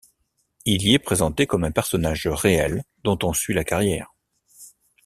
Il y est présenté comme un personnage réel dont on suit la carrière.